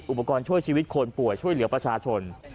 อุปกรณ์ช่วยชีวิตคนป่วยช่วยเหลือประชาชน